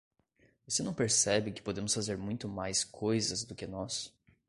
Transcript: Você não percebe que podemos fazer muito mais coisas do que nós?